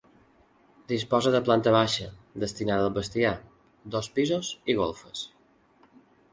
Disposa de planta baixa, destinada al bestiar, dos pisos i golfes.